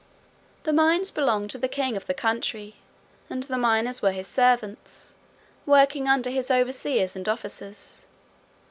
The mines belonged to the king of the country, and the miners were his servants, working under his overseers and officers.